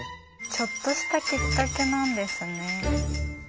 ちょっとしたきっかけなんですね。